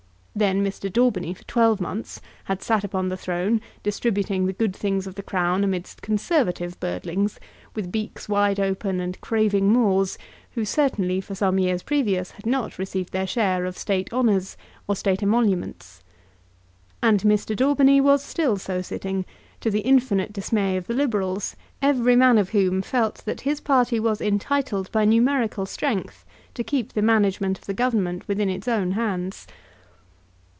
Then Mr. Daubeny for twelve months had sat upon the throne distributing the good things of the Crown amidst Conservative birdlings, with beaks wide open and craving maws, who certainly for some years previous had not received their share of State honours or State emoluments. And Mr. Daubeny was still so sitting, to the infinite dismay of the Liberals, every man of whom felt that his party was entitled by numerical strength to keep the management of the Government within its own hands.